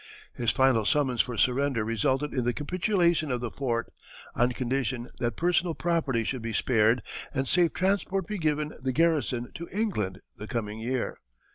His final summons for surrender resulted in the capitulation of the fort, on condition that personal property should be spared and safe transport be given the garrison to England the coming year.